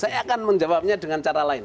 saya akan menjawabnya dengan cara lain